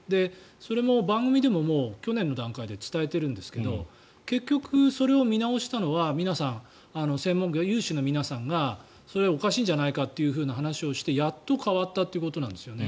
それも番組でも去年の段階で伝えているんですが結局、それを見直したのは有志の皆さんがそれはおかしいんじゃないかという話をしてやっと変わったという話なんですよね。